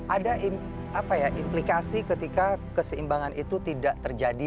ada implikasi ketika keseimbangan itu tidak terjadi